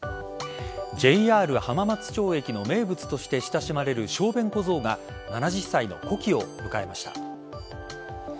ＪＲ浜松町駅の名物として親しまれる小便小僧が７０歳の古希を迎えました。